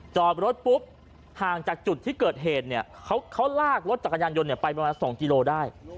จอดรถปุ๊บห่างจากจุดที่เกิดเหตุเนี่ยเขาลากรถจักรยานยนต์ไปประมาณ๒กิโลได้